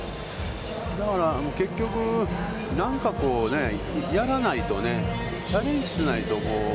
だから結局、何かやらないとね、チャレンジしないと。